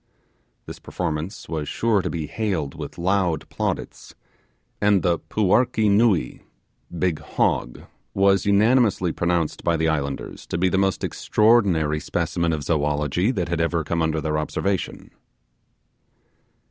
This performance was sure to be hailed with loud plaudits, and the 'puarkee nuee' (big hog) was unanimously pronounced by the islanders to be the most extraordinary specimen of zoology that had ever come under their observation.